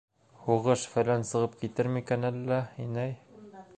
Һуғыш-фәлән сығып китер микән әллә, инәй?